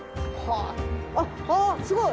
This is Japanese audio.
あっあぁすごい！